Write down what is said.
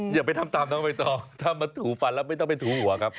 อย่าไปทำตามน้องใบตองถ้ามาถูฟันแล้วไม่ต้องไปถูหัวครับ